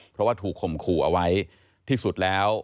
เพราะว่าถูกข่มขู่เอาไว้ที่สุดแล้ว